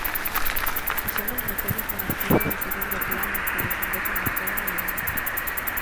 Quixemos metelos nunha especie de segundo plano que desemboca na cea e o baile.